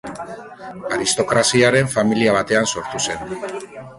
Aristokraziaren familia batean sortu zen.